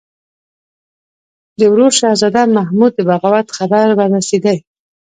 د ورور شهزاده محمود د بغاوت خبر ورسېدی.